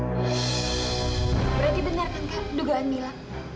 berarti benar kan kak dugaan mila